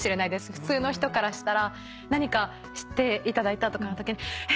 普通の人からしたら何かしていただいたときにえっ！？